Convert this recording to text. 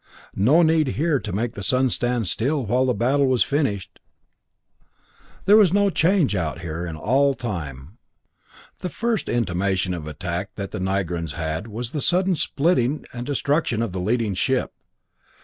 No need here to make the sun stand still while the battle was finished! There was no change out here in all time! The first intimation of attack that the Nigrans had was the sudden splitting and destruction of the leading ship.